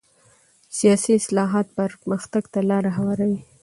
سیاسي اصلاحات پرمختګ ته لاره هواروي